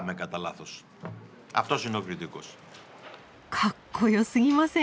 かっこよすぎません？